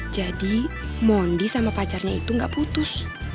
jadi mondi sama pacarnya itu nggak putus